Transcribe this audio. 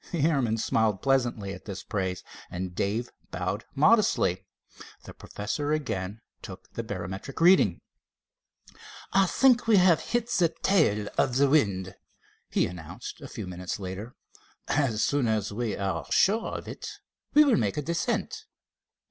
The airman smiled pleasantly at this praise and Dave bowed modestly. The professor again took the barometric readings. "I think we have hit the tail of the wind," he announced a few minutes later. "As soon as we are sure of it, we will make a descent."